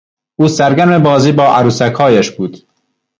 او سرگرم بازی با عروسکهایش بود.